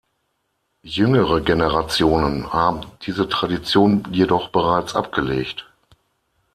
Jüngere Generationen haben diese Tradition jedoch bereits abgelegt.